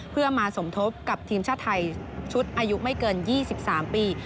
เพื่อมาสมทบกับทีมชาติไทยชุดอายุไม่เกิน๒๓ปี